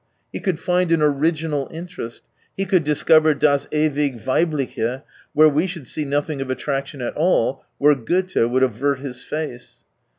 He could find an original interest, he could discover das ezvig Weibliche where we should see nothing of attraction at all, where Goethe would avert his face.